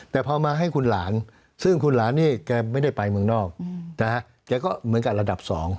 แต่พอมาให้คุณหลานซึ่งคุณหลานนี่แกไม่ได้ไปเมืองนอกนะฮะแกก็เหมือนกันระดับ๒